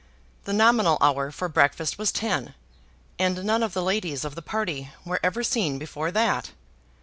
The nominal hour for breakfast was ten, and none of the ladies of the party were ever seen before that.